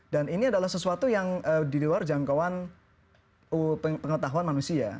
dan ini adalah sesuatu yang di luar jangkauan pengetahuan manusia